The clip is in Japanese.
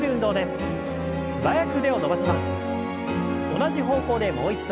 同じ方向でもう一度。